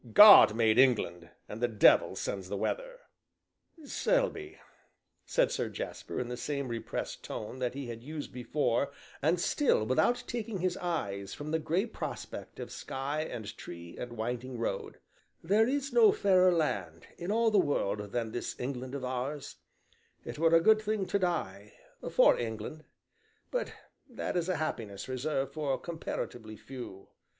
God made England, and the devil sends the weather!" "Selby," said Sir Jasper, in the same repressed tone that he had used before and still without taking his eyes from the gray prospect of sky and tree and winding road, "there is no fairer land, in all the world, than this England of ours; it were a good thing to die for England, but that is a happiness reserved for comparatively few."